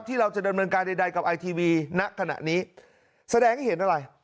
เราจะดำเนินการใดกับไอทีวีณขณะนี้แสดงให้เห็นอะไร